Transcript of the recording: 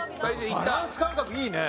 バランス感覚いいね！